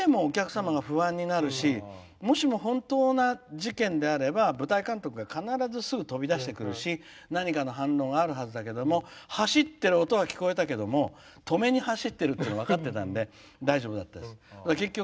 ここで止めてもお客様が不安になるしもしも本当な事件であれば舞台監督が必ず、すぐ飛び出してくるし何かの反応があるはずだけれども走ってる音が聞こえたけどもとめに走ってるっていうのが分かってたので、大丈夫でした。